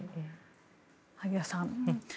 萩谷さん。